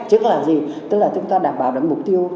chứ là gì tức là chúng ta đảm bảo được mục tiêu